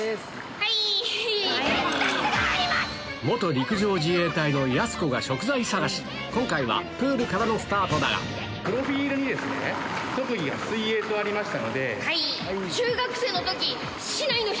陸上自衛隊のやす子が食材探し今回はプールからのスタートだがはい。と呼ばれてました。